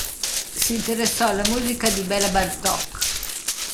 Si interessò alla musica di Béla Bartók.